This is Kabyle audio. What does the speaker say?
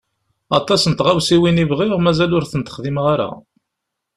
Aṭas n tɣawsiwin i bɣiɣ mazal ur tent-xdimeɣ ara.